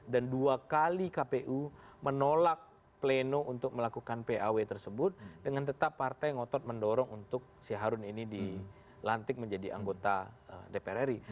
dan dua kali kpu menolak pleno untuk melakukan paw tersebut dengan tetap partai ngotot mendorong untuk si harun ini dilantik menjadi anggota dprri